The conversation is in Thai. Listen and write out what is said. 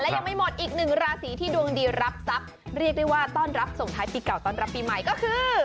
ยังไม่หมดอีกหนึ่งราศีที่ดวงดีรับทรัพย์เรียกได้ว่าต้อนรับส่งท้ายปีเก่าต้อนรับปีใหม่ก็คือ